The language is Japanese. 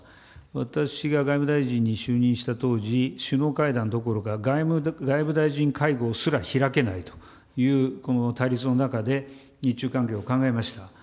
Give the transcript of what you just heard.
私が外務大臣に就任した当時、首脳会談どころか、外務大臣会合すら開けないという対立の中で、日中関係を考えました。